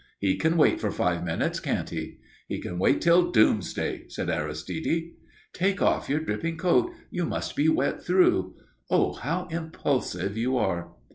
"He can wait for five minutes, can't he?" "He can wait till Doomsday," said Aristide. "Take off your dripping coat. You must be wet through. Oh, how impulsive you are!"